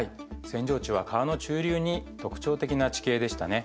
扇状地は川の中流に特徴的な地形でしたね。